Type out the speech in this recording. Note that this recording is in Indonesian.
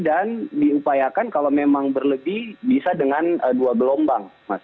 dan diupayakan kalau memang berlebih bisa dengan dua gelombang mas